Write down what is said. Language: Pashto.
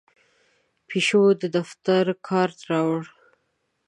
پیشو د دفتر کارت راوړ.